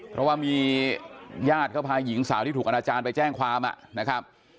เพราะว่ามีญาติเขาพาหญิงสาวที่ถูกอนาจารย์ไปแจ้งความนะครับ